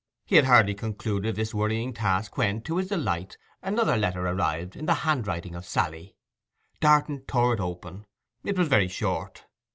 He had hardly concluded this worrying task when, to his delight, another letter arrived in the handwriting of Sally. Darton tore it open; it was very short.